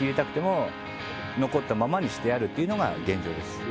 残ったままにしてあるっていうのが現状です